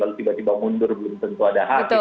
lalu tiba tiba mundur belum tentu ada hak